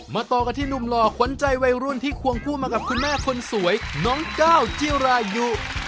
ต่อกันที่หนุ่มหล่อขวัญใจวัยรุ่นที่ควงคู่มากับคุณแม่คนสวยน้องก้าวจิรายุ